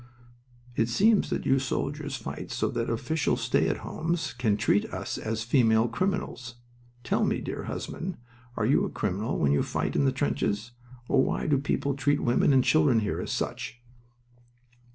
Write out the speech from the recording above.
"It seems that you soldiers fight so that official stay at homes can treat us as female criminals. Tell me, dear husband, are you a criminal when you fight in the trenches, or why do people treat women and children here as such?...